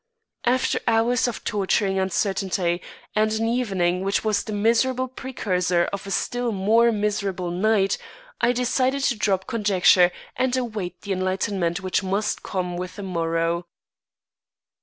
After hours of torturing uncertainty, and an evening which was the miserable precursor of a still more miserable night, I decided to drop conjecture and await the enlightenment which must come with the morrow.